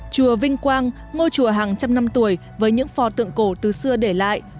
chùa vinh quang ngôi chùa hàng trăm năm tuổi với những phò tượng cổ từ xưa để lại